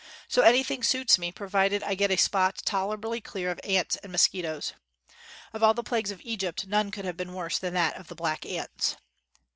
So anything suits me, provided I get a spot tolerably clear of ants and mosquitoes. Of all the plagues of Egypt, none could have been worse than that of the black ants